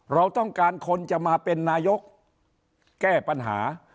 เราต้องการคนจะมาเป็นนายกแก้ปัญหา